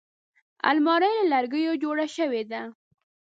الماري له لرګیو جوړه شوې ده